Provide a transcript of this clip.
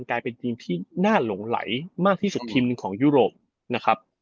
กลายเป็นทีมที่น่าหลงไหลมากที่สุดทีมหนึ่งของยุโรปนะครับ